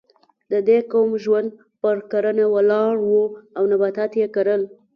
د دې قوم ژوند پر کرنه ولاړ و او نباتات یې کرل.